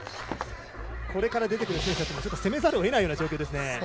これから出てくる選手たちも攻めざるを得ないような状況ですね。